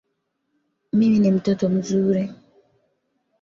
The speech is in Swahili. Mimi ni mtoto mzuri